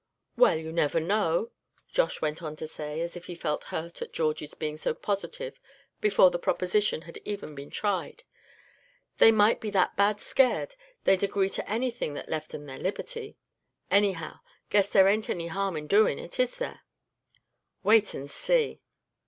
"Well, you never know," Josh went on to say, as if he felt hurt at George being so positive before the proposition had even been tried, "they might be that bad scared they'd agree to anything that left 'em their liberty. Anyhow, guess there ain't any harm in doin' it, is there?" "Wait and see!"